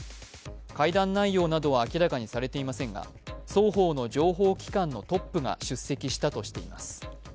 会談内容などは明らかにされていませんが双方の情報機関のトップが出席したとしています。